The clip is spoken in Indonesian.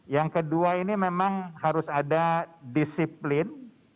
yang kedua ini memang harus ada disiplin